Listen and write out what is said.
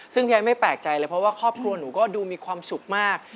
ซึ่งยายไม่แปลกใจเลยเพราะว่าครอบครัวหนูก็ดูมีความสุขมาก